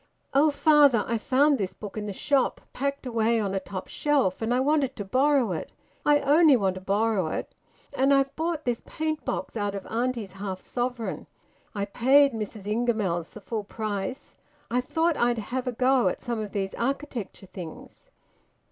"Oh, father! I found this book in the shop, packed away on a top shelf, and I want to borrow it. I only want to borrow it. And I've bought this paint box, out of auntie's half sovereign. I paid Miss Ingamells the full price... I thought I'd have a go at some of these architecture things."